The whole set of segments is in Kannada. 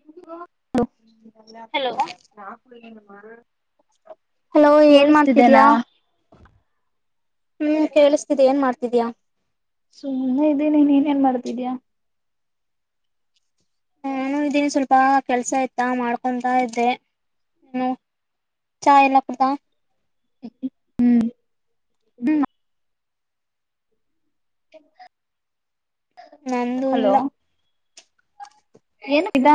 ಹ್ಮ್ಮ್. ನಲ್ಲಾ ಹಲೋ ನಾ ಕುಡ. ಹ್ಮ. ಹಲೋ ಏನ್ ಮಾಡ್ತಿದ್ಯಾ. ಹ ನೀನ್ ಕೇಳಿಸತಿದಿ ಏನ್ ಮಾಡ್ತಿದಯಾ. ಸುಮ್ಮನೆ ಇದೀನಿ ನೀನ್ೇನ್ ಮಾಡ್ತಿದ್ಯಾಾ. ಇದನ್ ಸ್ವಲ್ಪ ಕೆಲ್ಸ ಇತ ಮಾಡ್ಕೊಂತಾ ಇದೆ ಏನು ಚಾ ಎಲ್ಲ ಕುೂತ. ಹ್ಮ್ ಹ್ಮ. ಹ. ನಂದು ಹಲೋ. ಇಲ್ಲ ಏನ ಇದ.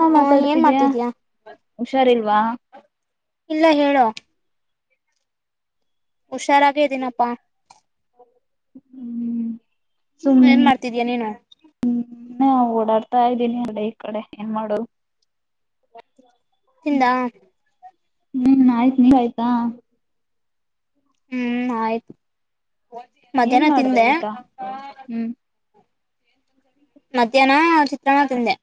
ಹಾ ಹ ಏನ್ ಮಾತಾಡ್ತಿದೀಯ ಮಾಡ್ತಿದ್ಯಾ ಹುಷಾರ್ಲ್. ವಾ. ಇಲ್ಲ ಹೇಳೋ. ಹುಷಾರಾಗ ಇದೀನಪ್ಪಾ. ಹ್ಮ್ ಹ ಏನ್ ಮಾಡ್ತಿದೀಯ ನೀನು. ಹ್ಮ ಓಡಾಡ್ತಾ ಇದ್ದೀನಿ ಅಲ್ಲ ಈ ಕಡೆ ಏನ್ ಮಾಡುದು. ತಿಂದಾ. ಹ್ಮ್ ಆಯ್ತು ನೀವ ಆಾಯ್ತಾ ಹ್ಮ್ ಆಯ್ತು. ಏನ್ ಮಧ್ಯಾಹ್ನ ಮಾಡ್ದ ತಿಂದೆ ಊಟ ಹ್ಮ್. ಮಧ್ಯಾಹ್ನ ಚಿತ್ರಣ ತಿಂದೆ. ಉ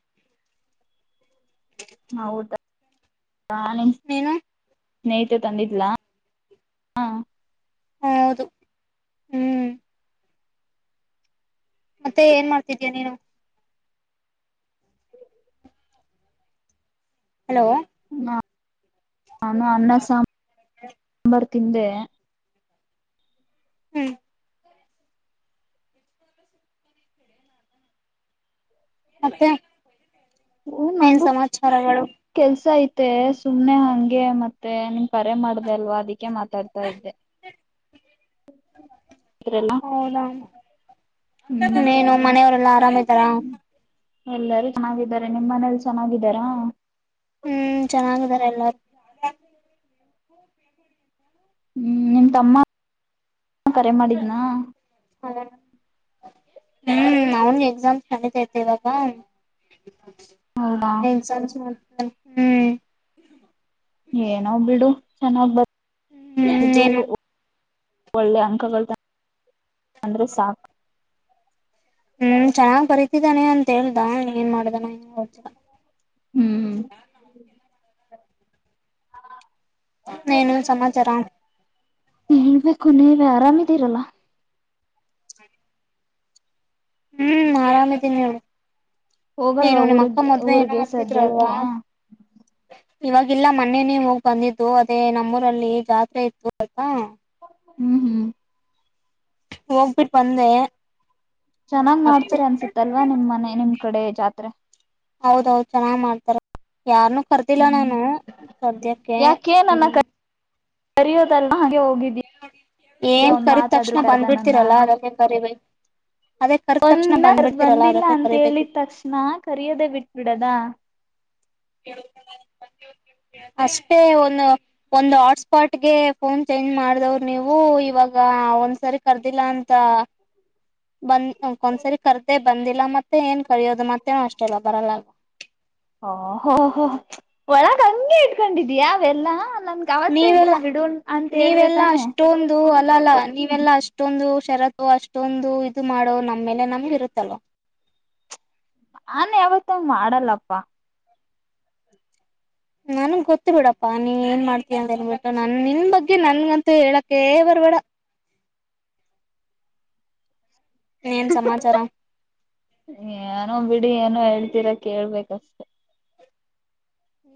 ಹಾವುದ. ಹಾ ನಿನ್ ನೀನು ಸ್ನೇಹಿತೆ ತಂದಿದ್ಲಾ. ಹಾ ಹ ಹೌದು ಹ್ಮ್ ಮತ್ತೆ ಏನ್ ಮಾಡ್ತಿದೀಯ ನೀನು ಹಲೋ ನ ನಾನು ಅನ್ನ ಸಾಂಬರ್ ತಿಂದೆ ಹ್ಮ್ ಮತ್ತೆ ಹ ಏನ್ ನಂಗು ಸಮಾಚಾರಗಳು ಕೆಲ್ಸ ಇತ್ತು. ಮತ್ತೆ ಸುಮ್ನೆ ಹಂಗೆ ಮತ್ತೆ ನಿನ್ ಕರೆ ಮಾಡಿದೆ ಅಲ್ವಾ ಅದಿಕ್ಕೆ ಕೆ ಮಾತಾಡ್ತಾ ಇದ್ದೆ. ಇದ್ರಲ್ಲ ಹೌದಾ ಹ್ಮ್ ನೀನು ಮನೆಯವರೆಲ್ಲಾ ಆರಾಮ ಇದ್ದಾರ. ಎಲ್ಲಾರೂ ಚೆನ್ನಾಗಿದ್ದಾರೆ ನಿಮ್ಮ ಮನೇಲಿ ಚೆನ್ನಾಗಿದ್ದಾರಾ? ಹ್ಮ್ ಚೆನ್ನಾಗಿದಾರ ಎಲ್ಲಾರು. ಹ್ಮ್ ನಿಮ ತಮ್ಮ ಹಾ ಕರೆ ಮಾಡಿದ್ನಾ? ಹ ಹ್ಮ್ ಅವನ್ ಎಕ್ಸಾಮ್ ನಡಿತೈತೆ ಇವಾಗ. ಹೌದಾ [unintelligible] ಹ್ಮ್ ಏನೋ ಬಿಡು. ಚೆನ್ನಾಗ್ ಬರ್ ಹ್ಮ್ ಅದು ಏನು ಒಳ್ಳೆ ಅಂಕಗಳು ಅಂದ್ರೆ ಸಾಕು. ಹ್ಮ್ ಚೆನ್ನಾಗ್ ಬರಿತಿದ್ದಾನೆ ಅಂತ ಹೇಳ್ದ ನೀ ಏನ್ ಮಾಡ್ದಾನೋ ಗೊತ್ತಿಲ್ಲಾ. ಹ್ಮ್ ನೇನು ಸಮಾಚಾರ. ಹೇಳ್ಬೇಕು ನೀ ನೀ ಆರಾಮಿದೀರಲ್ಲ. ಹ್ಮ್ ಆರಾಮ್ ಇದೀನ್ ನೋಡು. ನೀನು ಹೋಗಲ್ವಾ ನಿಮ್ಮ ನಿಮ್ಮ ಅಕ್ಕ ಊರಿಗೆ ಮದ್ವೆ ಏನೋ ಊರಿಗೆ ಅಂತಿದ್ರಲ್ಲ. ಸದ್ಯಕ್ಕೆ ಇವಾಗಿಲ್ಲ ಮೊನ್ನೆನೇ ಹೋಗಿ ಬಂದಿದ್ದು ಅದೇ ನಮ್ಮೂರಲ್ಲಿ ಜಾತ್ರೆ ಇತ್ತು ಆಯ್ತಾ. ಹ್ಮ್ ಹ್ಮ್ ಹೋಗ್ಬಿಟ್ಟ ಬಂದೆ. ಚೆನ್ನಾಗ್ ಮಾಡ್ತಾರೆ ಮತ್ತೆ ಅನ್ಸತ್ತಲ್ವಾ ನಿಮ್ ಮನೆ ನಿಮ್ ಕಡೆ ಜಾತ್ರೆ. ಹೌದೌದ್ ಚೆನ್ನಾಗ್ ಮಾಡ್ತಾರೆ. ಯಾರ್ನ್ನು ಕರ್ದಿಲ್ಲ ಹ್ಮ್ ನಾನು ಸದ್ಯಕ್ಕೆ. ಸರಿಯೋದಲ್ ಏನ್ ಕರೀದ ತಕ್ಷಣ ಮಾತಾದ್ರು ಕರ್ದ ಬಂದ್ಬಿಡ್ತೀರಲ್ಲ ಅದಕ್ಕೆ ಕರಿಬೇಕ. ಒಂದ್ ಬಂದಿಲ್ಲ ಅದಕ್ಕೆ ಅಂತ ಹೇಳಿದ ಕರಿಬೇಕಿತ್ತು ತಕ್ಷಣ ಕರಿಯೋದೆೇ ಬಿಟ್ಬಿಡದ. ಹ್ಮ್ಮ್. ಅಷ್ಟೇ ಒಂದು. ಒಂದ್ ಹಾಟ್ಸ್ಪಾಟ್ಗೆ ಫೋನ್ ಚೇಂಜ್ ಮಾಡಿದವ್ರು ನೀವು ಇವಾಗ ಒಂದ್ಸರಿ ಕರ್ದಿಲ್ಲ ಅಂತ ಬಂದ ಒಂದ್ಸರಿ ಕರ್ದೇ ಬಂದಿಲ್ಲ ಮತ್ತೆ ಏನ್ ಕರಿಯೋದು ಮತ್ತೇನ ಅಷ್ಟಲ್ಲ ಬರಲ್ಲಲ್. ಓ ಹೋ ಹೋ ಒಳಗ ಹಂಿ ಇಟ್ಕೊಂಡಿದೀಯ ಅವೆಲ್ಲಾ. ನಮ್ಗೆ ಅವತ್ತ ಇಲ್ಲ ನೀವೆಲ್ಲ ಬಿಡೋಲ್ ಅಂತ ಹೇಳ್ದೆ ತಾನೆ. ಇಲ್ಲ ಅಲ್ಲಾ ನೀವೆಲ್ಲಾ ಅಷ್ಟೊಂದು ಷರತ್ತು ಅಷ್ಟೊಂದು ಇದು ಮಾಡೋ ನಮ್ಮ್ಮೇಲೆ ನಮ್ಗೆ ಇರುತ್ತಲ್. ನನ್ ಯಾವತ್ತ ಮಾಡಲ್ಲಪ್ಪ. ನನ್ಗ್ ಗೊತ್ತು ಬಿಡಪ್ಪಾ ನೀ ಏನ್ ಮಾಡ್ತೀಯ ಅಂತೇಳ್ಬಿಟ್ಟು ನನ್ ನಿನ್ ಬಗ್ಗೆ ನನ್ಗಂತೂ ಹೇಳಕ ಬರ್ಬೇಡ. ಏನ್ ಸಮಾಚಾರ ಾನೋ ಬಿ. ನಡಿ ಏನೋ ಹೇಳ್ತೀರಾ ಕೇಳ್ಬೇಕಷ್ಟೆ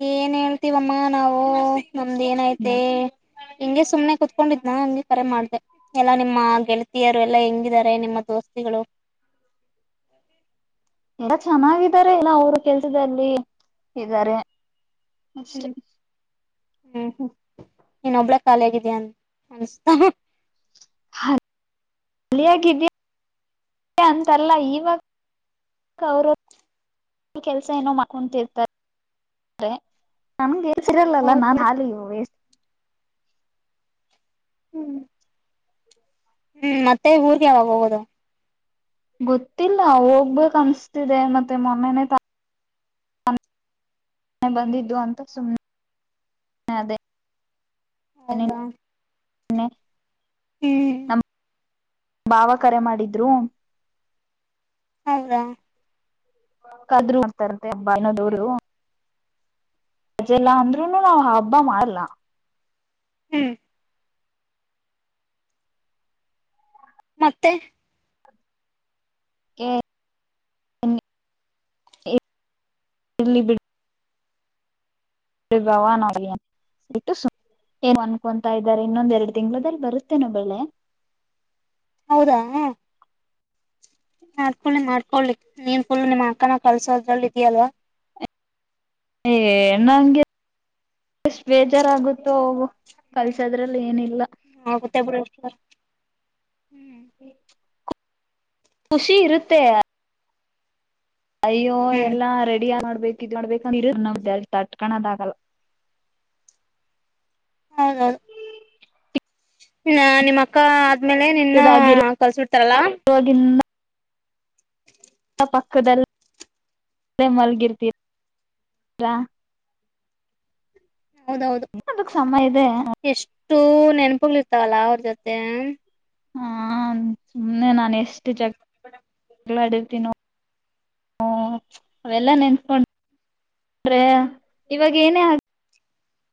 ಏನ್ ಹೇಳ್ತೀವಮ್ಮ ನಾವು ನಮ್ದ ಏನಐತೆ ಹ್ಮ್ ಹಿಂಗಗೆ ಸುಮ್ನೆ ಕುೂತ್ಕೊಂಡಿದ್ನ ಹಗೆ ಕರೆ ಮಾಡ್ದ ಎಲ್ಲಾ ನಿಮ್ಮ ಗೆಳತಿಯರು ಎಲ್ಲಾ ಹೆಂಗಿದಿದ್ದಾರೆ ನಿಮ್ಮ ದೋಸ್ತಿಗಳು ಎಲ್ಲ ಚೆನ್ನಾಗಿದ್ದಾರೆ ಎಲ್ಲ ಅವರು ಕೆಲ್ಸದಲ್ಲಿ ಇದ್ದಾರೆ ಅಷ್ಟೆ ಹ್ಮ್ ಹ್ಮ್ ಹ್ಮ್ ಇನ್ನೊಬ್ಬಳ ಖಾಲಿಿಯಗಿದಯ ಅನ್ಸ್ತಾ ಿಯಾಗ ಅಂತಲ್ಲ ಇವಾಗ ಅವರು ಕೆಲ್ಸ ಏನೋ ಮಾಡ್ಕೊರ್ತ ಸಿರಲ್ಲಲ್ಲಾ ಹೌದ್ ನಾನ್ ಬಿಡು ಹಾಲಿ ಇ ವ ಹ್ಮ್ ಹ್ಮ್ ಮತ್ತೆ ಊರ್ಗೆ ಯಾವಾಗ ಹೋಗೋುದು ಗೊತ್ತಿಲ್ಲ ಹೋಗ್ಬೇಕಕ್ ಅನ್ಸ್ತಿದೆ ಮತ್ತೆ ಮೊನ್ನೆನೆೇ ಹ ಬಂದಿದ್ದು ಅಂತ ಸುಮ್ನೆ ಅದೇ ಹೌದಾ ಮೆ. ಹ್ಮ್. ಭಾವ ಕರೆ ಮಾಡಿದ್ರು. ಹೌರಾ. ಕದರುಡ್ತಾರಂತೆ ಹಬ್ಬ ಇನ್ನದವರುಜೆಲ್ಲಾ ಅಂದ್ರುನು ನಾವ್ ಹಬ್ಬ ಮಾಡಲ್ಲ. ಹ್ಮ್. ಮತ್ತೆ. ಇಲ್ಲಿ ಬಿ. ಭವ ನ ಇಟ್ಟು ಸು ಅನ್ಕೊತಾ ಇದ್ದಾರೆ ಇನ್ನೊಂದ ಎರಡು ತಿಂಗಳದಲ್ಲಿ ಬರುತ್ತೇನೋ ಬೆಳೆ. ಹೌದಾ. ಮಾಡ್ಕೊಳ್ಳಿ ಮಾಡ್ಕೊೊಳ್ಳಿ ನಿ್ ಫುಲ್ ನಿಮ್ಮ್ ಅಕ್ಕನ ಕಲ್ಸೋದ್ರಲ್ಲಿ ಇದ್ಯಲ್ವಾ. ಏ ನಂಗೆ ಎಷ್ಟ ಬೇಜಾರಾಗುತ್ತೋ ಕಲ್ಸದ್ರಲ್ಲಿ ಏನಿಲ್ಲ. ಹ ಆಗುತ್ತ ಬಿಷ. ಹ್ಮ. ಖುಷಿ ಇರುತ್ತೆ ಅಯ್ಯೋ ಹ್ಮ್ ಎಲ್ಲಾ ರೆಡಿ ಮಾಡ ಬ ಬೇಕದ ಇರದ ನಟ್ಕಣದ ಆಗಲ್ಲ ಹೌದೌದು ಇ ನಿಮ್ಮ ಅಕ್ಕ ಆದ್ಮೇಲೆ ನಿನ್ನ ಕಲ್ಸ ಬಿಡ್ತಾರಲ್ಲ ಇದಾಗಿರೋವಾಗಿಂದ ಪಕ್ಕದಲ್ಲಿ ಮಲಗಿರ್ತೀರಾ... ಹೌದೌದು, ಅದಕ್ ಸಮಯ ಇದೆ ಎಷ್ಟೋ ನೆನಪು ತಲ ಅವರ ಜೊತೆ [unintelligible] ಹಾ, ಸುಮ್ನೆ ನಾನ ಎಷ್ಟ ಷ್ಟ ಜಗ್ [inaudible] ಜಗಳ ಆಡಿರ್ತೀವಿ ನಾವು. ಹ ಅವೆಲ್ಲ ನೆನಸಗೊಂಡ್ರೆ ಆ ಇವಾಗ ಏನೇ ಆ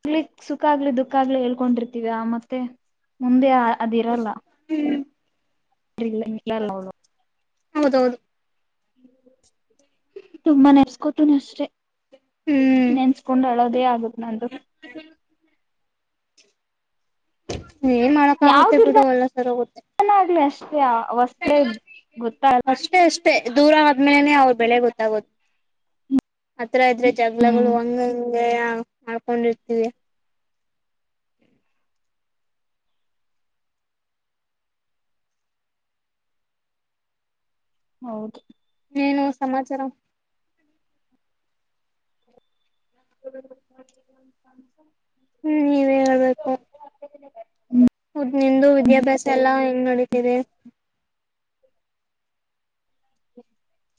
ಆಗ್ಲಿ ಸುಖ ಆಗ್ಲಿ, ದುಃಖ ಆಗ್ಲಿ ಹೇಳ್ಕೊಂಡಿರ್ತೀವ ಮತ್ತೆ ಮುಂದೆ. ಅದ ಹ್ಮು, [inaudible] ಫ್ರಿ ಇಲ್ಲ ನಿಲ್ಲಲ್ಲ ಅವ್ರು. ಹೌದೌದು, ತುಂಬಾ ನೆನಸ್ಕೊಂತಿನಿ ಅಷ್ಟೆ, ಹ್ಮ್ ನೆನ್ಸ್ಕೊಂಡ್ ಅಳೋದೇ ಆಗತ್ತೆ ನಂದು. ಏನ್ ಮಾಡಕ್ಕ ಯಾವ ಆಗುತ್ತೆ ಬಿಡು ಎಲ್ಲ ಸರಿ ಹೋಗುತ್ತೆ. ಅವ ವಸ್ತರೆ ಗೊತ್ತಗು [unintelligible] ಮತ್ತೆ [inaudible] ದೂರ ಆದ್ಮೇಲೆನೆ ಅವರ ಬೆಲೆ ಗೊತ್ತಗೋದು. ಗೊತ್ತಾಗೊ ಅತ್ರ ಇದ್ರೆ ಹ್ಮ್ ಜಗಳಗಳು ಹಂಗ, ಹಂಗ ಮಾಡ್ಕೊಂಡಿರ್ತೀವಿ. ಹೌದು. ಏನು ಸಮಾಚಾರ, ಏನ ನಡದ್ರಿ ಮತ್ತ [inaudible] ಹ್ಮ್, ನೀವೇ ಹೇಳಬೇಕು. ಅದು ನಿಂದು ವಿದ್ಯಾಭ್ಯಾಸ ಎಲ್ಲಾ ಹೆಂಗ ನಡೀತಿದೆ. ಹ [inaudible]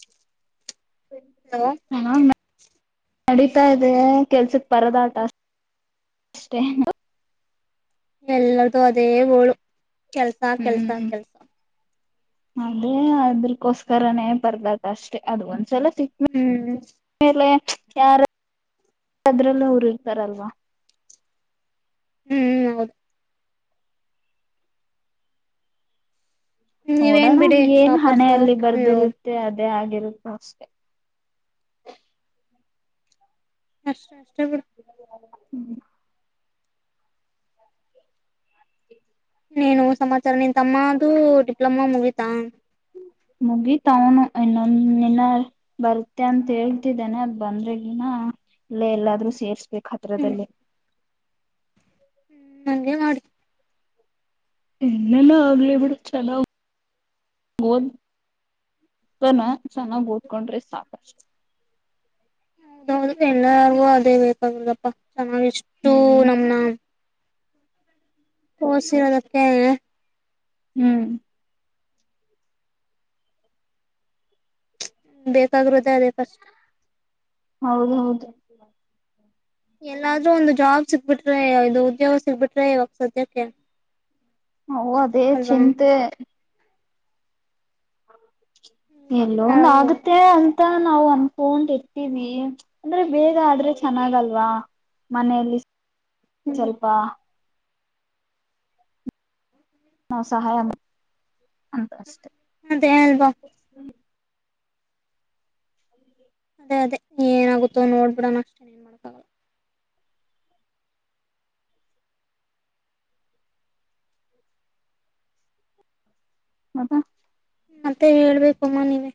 ಹಲೋ, ಚೆನ್ನಾಗ್ ನಡೀತಾ ಇದೆ ಕೆಲ್ಸಕ್ ಪರದಾಟ ಅಷ್ಟೇ, ಎಲ್ಲರ್ದು ಅದೇ ಗೋಳು. ಕೆಲ್ಸ, ಕೆಲ್ಸ, ಹ್ಮ್ ಕೆಲ್ಸ ಅದೇ ಅದಕ್ಕೋಸ್ಕರನೇ ಬರ್ದದ ಅಷ್ಟೇ ಅದು ಒಂದ್ಸಲ, ಇದರ ಹ್ಮ್ ಮೇಲೆ [unintelligible] ಯಾರ ಅದ್ರಲ್ಲೂ ಅವರು ಇರ್ತಾರಲ್ವಾ., ಹ್ಮ್, ಹೌದು.. ನೀವೇನ್ ನೋಡೋಣ ಬಿಡಿ ಏನ್ ಹಣೆ ಟಾಪರ್ಸು ಅಲ್ಲಿ ಅಯ್ಯೋ ಬರ್ದಿರುತ್ತೆ ಅದ, ಅದೇ ಆಗಿರುತ್ತ ಅಷ್ಟೇ, ಅಷ್ಟ [inaudible] ಚಗ [unintelligible] ಹ್ಮ್ [inaudible] ನೀನು ಸಮಾ ಸರ್ ನಿನ್ ತಮ್ಮ ಅದುೂ ಡಿಪ್ಲಮಾ ಮುಗಿತಾ ಟೌನು ಇನ್ನೊಂದ ದಿನ ಬರುತ್ತೆ ಅಂತ ಹೇಳ್ತಿದ್ದಾನೆ ಅದ ಬಂದ್ರೆಗಿನ ಇಲ್ಲ ಎಲ್ಲಾದ್ರೂ ಸೇರ್ಸ್ಬೇಕು ಹತ್ರದಲ್ಲೇ ಹ್ಮ್ ಹಂಗೆ ಮಾಡು ಇನ್ನೆಲ್ಲ ಆಗ್ಲಿ ಬಿಡ ಚೆನ್ನಾಗ ಓದ್ನ್ನ ಚೆನ್ನಾಗ್ ಓದ್ಕೊ, ಸಾಕು ಹೌದು ಎಲ್ಲಾರಗೂ ಅದೇ ಬೇಕಾಗಲಪ್ಪ ಚನ್ನಾಗಿಷ್ಟು ಹ್ಮ್ ನಮನ ಓದಿಸಿರೋದಕ್ಕೆ ಹ್ಮ್ ಬೇಕಾಗಿರೋದೇ ಅದೇ ಫಷ್ಟು ಹೌದ ಹೌದು ಎಲ್ಲಾದ್ರೂ ಒಂದು ಜಾಬ್ ಸಿಕ್ಬಿಟ್ರೆ ಇದು ಉದ್ಯೋಗ ಸಿಗ್ಬಿಟ್ರೆ ಇವಾಗ ಸದ್ಯಕ್ಕೆ ಓ ಅದೇ ಅಲ್ವಾ ಚಿಂತೆ ಏನ್ ಎಲ್ಲೋಂದ ಮಾಡದು ಆಗುತ್ತೆ ಅಂತ ನಾವು ಒಂದ ಅಂಡ್ಕೋಡ್ ಇತೀವಿ ಅಂದ್ರೆ ಬೇಗ ಆದ್ರೆ ಚೆನ್ನಾಗಲ್ವಾ ಮನೆಯಲ್ಲಿ ಹ್ಮ್ ಸ್ವಲ್ಪ ನಾವು ಸಹಾಯ ಅಂತ ಅಷ್ಟೆ ಅದೇ ಅಲ್ವಾ ಅದೇ ಅದೇ ನೀ ಏನಾಗುತ್ತೋ ನೋಡ್ಬಿಡಣ ಅಷ್ಟೇನ್ ಏನ್ ಮಾಡಕಾಗಲ್ಲ ಮದ ಮತ್ತೆ ಹೇಳ್ಬೇಕು ಮ್ಮ ನೀವವೆ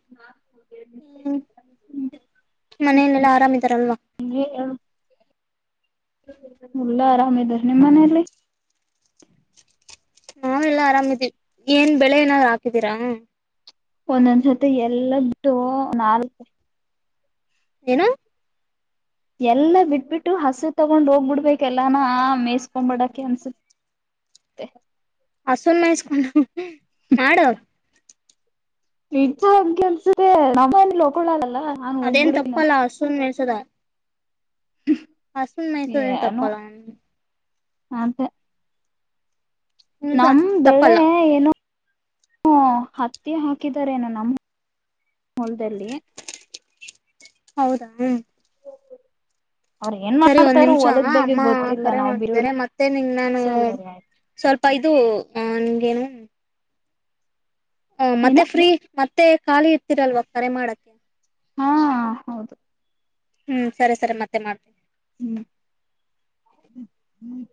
ಹ್ಮ ಮನೆಲೆೆಲ್ಲ ಆರಾಮಿದಾರಲ್ವಾ ಎಲ್ಲಾ ಆರಾಮಿದಾರೆ ನಿಮಮ್ಮ ಮನೆಲಿ ನಾವೆಲ್ಲಾ ಆರಾಮಿದೀವಿ ಏನ್ ಬೆಳೆ ಏನಾದ್ರು ಹಾಕಿದೀರಾ ಒಂದೊಂದ್ಸತಿ ಎಲ್ಲದ್ದು ನಾಲ್ಕ ಏನು ಎಲ್ಲಾ ಬಿಟ್ಬಿಟ್ಟು ಹಸು ತಗೊಂಡ್ ಹೋಗ್ಬಿಡ್ಬೇಕ ಎಲ್ಲಾನ ಮೇಯಸ್ಕೊಬಡಕ ಅನ್ಸತ್ತೆ ಹಸುನ್ ಮೈಸ್ಕೊಂಡು ಮಾಡು ಈಚನ್ಸ ನಮ್ಮಕ [unintelligible] ಅದೇನ್ ತಪ್ಪಲ್ಲ ಹಸುನ್ ಮೆಯ್ಸದ ಹಸುನ್ ಮೆಯ್ಯಿಸದೇನು ತಪ್ಪು ಅಲ್ಲ ಅಂತೆ ನಿಜ ನಮ ಬೆಳೆ ತಪ್ಪಲ್ಲ ಏನು ಹ ಹತ್ತಿ ಹಾಕಿದಾರೇನು ನಮ್ಮ ಮೂಲದಲ್ಲಿ ಹೌದಾ ಹ್ಮ ಅವ್ರ ಏನ್ ಸರಿ ಒಂದ್ ಮಾಡ್ತಾರೋ ನಿಮಿಷ ಹೊಲದ ಬಗ್ಗೆ ಅಮ್ಮ ಗೊತ್ತಿಲ್ಲ ಕರೆ ನಾವ್ ಮಾಡ್ತಿದಿದ್ದಾರೆ ಬೇರೆಯವ್ರಿಗೆ ಮತ್ತೆ ನಿಂಗ ನಾನು ಸರಿ ಸರಿ ಆಯ್ತು ಸ್ವಲ್ಪ ಇದು ಅ ನಿಂಗೇನು ಹ್ಮ್ ಹ ಮತ್ತೆ ಏನು ಫ್ರೀ ಮತ್ತೆ ಖಾಲಿ ಇರ್ತಿರಲ್ವ ಕರೆ ಮಾಡಕ್ಕೆ ಹಾ ಹೌದು ಹ್ಮ್ ಸರಿ ಸರಿ ಮತ್ತೆ ಮಾಡ್ತೀನಿ ಹ್ಮ ಹ್ಮ್